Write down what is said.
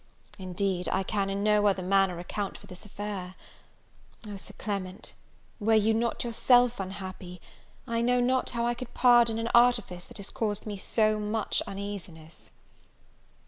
Indeed I can in no other manner account for this affair. Oh, Sir Clement, were you not yourself unhappy, I know not how I could pardon an artifice that has caused me so much uneasiness!